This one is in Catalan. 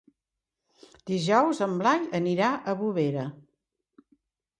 Dijous en Blai anirà a Bovera.